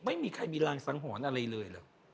ไม่มีใครมีรางสังหรณ์อะไรเลยเหรอ